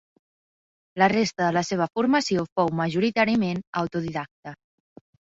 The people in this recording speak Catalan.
La resta de la seva formació fou majoritàriament autodidacta.